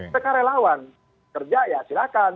mereka relawan kerja ya silahkan